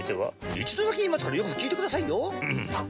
一度だけ言いますからよく聞いてくださいよ。